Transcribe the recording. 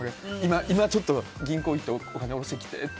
今ちょっと銀行行ってお金おろしてきてって。